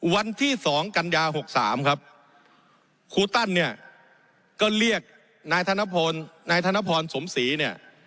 วันที่๒กันยา๖๓ครับครูตั้นเนี่ยก็เรียกนายธนพลนายธนพรสมศรีเนี่ย